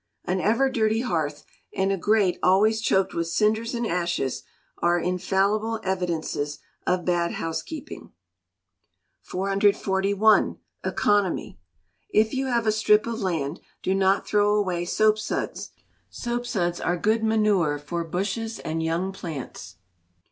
An Ever dirty Hearth, and a grate always choked with cinders and ashes, are infallible evidences of bad housekeeping. 441. Economy. If you have a strip of land, do not throw away soapsuds. Soapsuds are good manure for bushes and young plants.